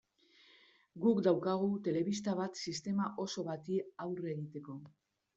Guk daukagu telebista bat sistema oso bati aurre egiteko.